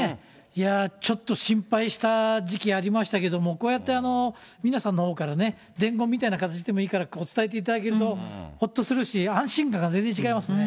いやー、ちょっと心配した時期ありましたけども、こうやって三奈さんのほうからね、伝言みたいな形でもいいからお伝えしていただけると、ほっとするし、安心感が全然違いますね。